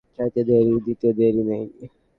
চাইতে দেরি, দিতে দেরি নেই!